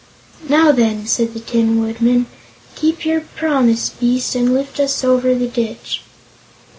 "Now, then," said the Tin Woodman, "keep your promise, Beast, and lift us over the ditch."